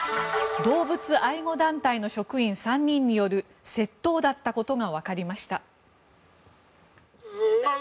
動物愛護団体の職員３人による窃盗だったことがわかりました。